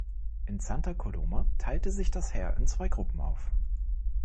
In Santa Coloma teilte sich das Heer in zwei Gruppen auf.